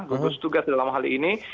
gugus tugas dalam hal ini